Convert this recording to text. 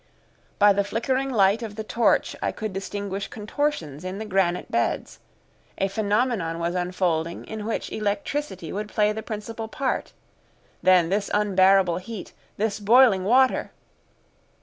By the flickering light of the torch I could distinguish contortions in the granite beds; a phenomenon was unfolding in which electricity would play the principal part; then this unbearable heat, this boiling water!